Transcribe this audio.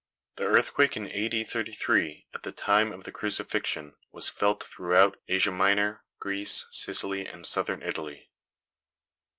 The earthquake in A. D. 33, at the time of the crucifixion, was felt throughout Asia Minor, Greece, Sicily and Southern Italy.